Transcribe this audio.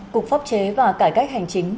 cục pháp chế và cải cách hành chính